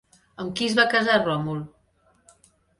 Amb qui es va casar Ròmul?